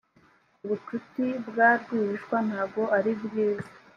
ubucuti bwa rwihishwa ntago ari bwiza